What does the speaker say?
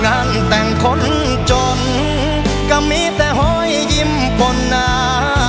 งานแต่งคนจนก็มีแต่หอยยิ้มปนหนา